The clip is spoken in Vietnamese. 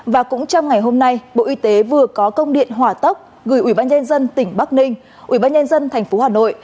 và cũng trong ngày hôm nay bộ y tế vừa có công điện hỏa tốc gửi ủy ban nhân dân tỉnh bắc ninh ủy ban nhân dân thành phố hà nội